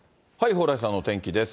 蓬莱さんのお天気です。